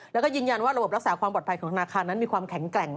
แล้วก็ยืนยันว่าระบบรักษาความปลอดภัยของธนาคารนั้นมีความแข็งแกร่ง